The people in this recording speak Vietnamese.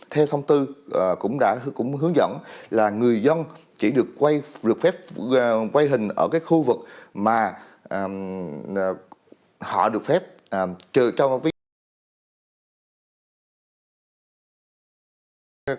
theo thông tư cũng đã hướng dẫn là người dân chỉ được quay được phép quay hình ở cái khu vực mà họ được phép trừ cho ví dụ